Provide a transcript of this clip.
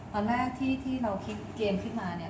ตอนแรกที่เราคิดเกมขึ้นมาเนี่ย